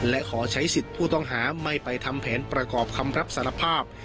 และขอใช้สิทธิ์ผู้ต้องหาไม่ไปทำแผนประกอบคำรับสารภาพ